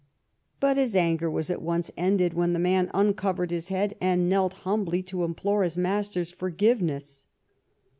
But his anger was at once ended when the man uncovered his head and knelt humbly to implore his master's forgiveness.